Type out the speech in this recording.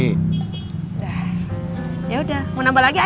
udah yaudah mau nambah lagi apa